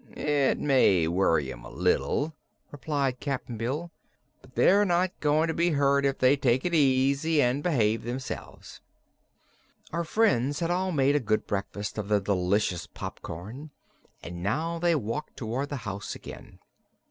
"It may worry 'em a little," replied Cap'n Bill, "but they're not going to be hurt if they take it easy and behave themselves." Our friends had all made a good breakfast of the delicious popcorn and now they walked toward the house again.